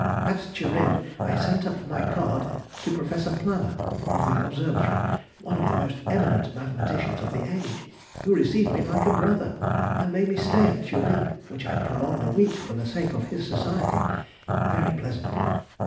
At Turin I sent up my card to Prof. Plana, of the Observatory, one of the most eminent mathematicians of the age, who received me like a brother, and made my stay at Turin, which I prolonged a week for the sake of his society, very pleasant.